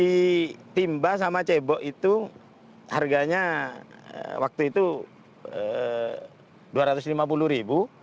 di timba sama cebok itu harganya waktu itu rp dua ratus lima puluh ribu